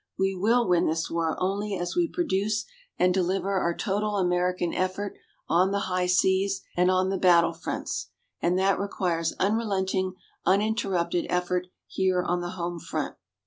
We will win this war only as we produce and deliver our total American effort on the high seas and on the battle fronts. And that requires unrelenting, uninterrupted effort here on the home front.